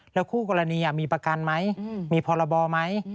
แล้วคู่กรณีมีประกันไหมมีพรบไหม